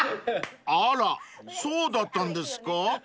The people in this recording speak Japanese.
［あらそうだったんですか］